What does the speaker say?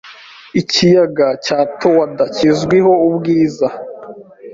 Ikiyaga cya Towada kizwiho ubwiza.